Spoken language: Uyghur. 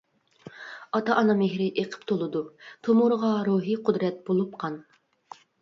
ئاتا-ئانا مېھرى ئېقىپ تولىدۇ، تومۇرىغا روھىي قۇدرەت بولۇپ قان.